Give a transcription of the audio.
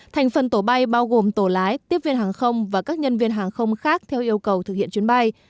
thành phần tổ bay bao gồm tổ lái tiếp viên hàng không và các nhân viên hàng không khác theo yêu cầu thực hiện chuyến bay